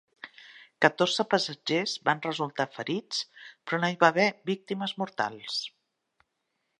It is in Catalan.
Catorze passatgers van resultar ferits, però no hi va haver víctimes mortals.